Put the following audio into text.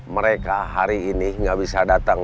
mereka hari ini nggak bisa datang